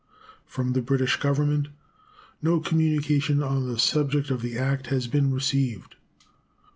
From the British Government no communication on the subject of the act has been received.